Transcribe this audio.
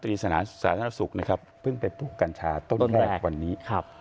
สาธารณสุขนะครับเพิ่งไปปลูกกัญชาต้นแรกวันนี้ครับ